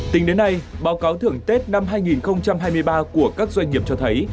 tính đến nay báo cáo thưởng tết năm hai nghìn hai mươi ba của các doanh nghiệp cho thấy